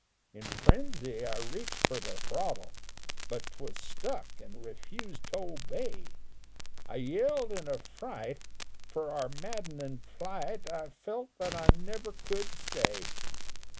In frenzy I reached for the throttle, But 'twas stuck an' refused to obey. I yelled in affright, for our maddenin' flight I felt that I never could stay.